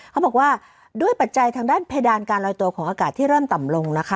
เขาบอกว่าด้วยปัจจัยทางด้านเพดานการลอยตัวของอากาศที่เริ่มต่ำลงนะคะ